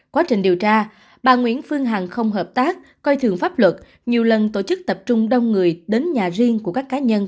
quá trình điều tra bà nguyễn phương hằng không hợp tác coi thường pháp luật nhiều lần tổ chức tập trung đông người đến nhà riêng của các cá nhân